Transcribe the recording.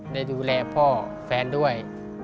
ได้ดูแลพ่อแฟนด้วย